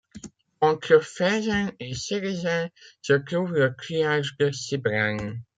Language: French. Entre Feyzin et Sérézin se trouve le triage de Sibelin.